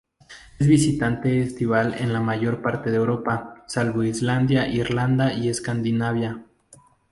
Es visitante estival en la mayor parte de Europa, salvo Islandia, Irlanda y Escandinavia.